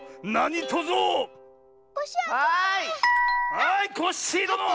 はいコッシーどの！